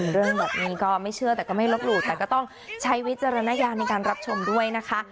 เรื่องแบบนี้ก็ไม่เชื่อแต่ก็ไม่ลบหลู่แต่ก็ต้องใช้วิจารณญาณในการรับชมด้วยนะคะ